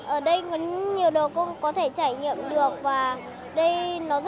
ở đây có nhiều đồ con có thể trải nghiệm được và đây nó rất vui